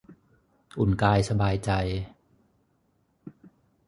อุ่นกายสบายใจ